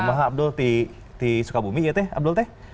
mama abdul di sukabumi ya teh abdul teh